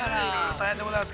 ◆大変でございます。